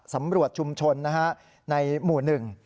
สำรวจชุมชนนะฮะในหมู่หนึ่ง